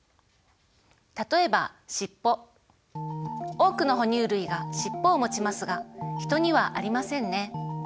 多くの哺乳類が尻尾をもちますがヒトにはありませんね。